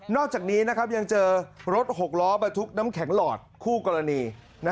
อกจากนี้ยังเจอรถ๖ล้อบรรทุกน้ำแข็งหลอดคู่กรณี